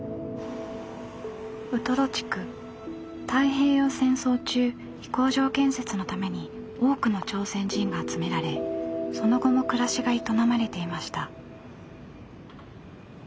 太平洋戦争中飛行場建設のために多くの朝鮮人が集められその後も暮らしが営まれていました。